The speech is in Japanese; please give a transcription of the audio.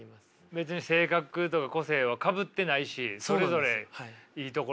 別に性格とか個性はかぶってないしそれぞれいいところがあって。